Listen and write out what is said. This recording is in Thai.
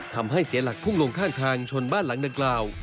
ทำให้เสียหลักพุ่งลงข้างทางชนบ้านหลังดังกล่าว